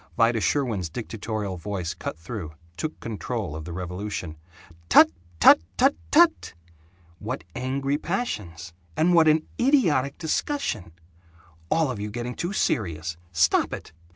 Vida Sherwin's dictatorial voice cut through, took control of the revolution: "Tut, tut, tut, tut! What angry passions and what an idiotic discussion! All of you getting too serious. Stop it!